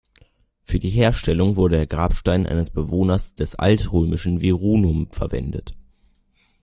Für die Herstellung wurde der Grabstein eines Bewohners des alt-römischen Virunum verwendet.